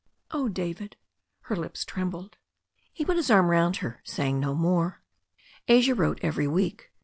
"Oh, David." Her lips trembled. He put his arm round her a minute, saying no more. Asia wrote every week.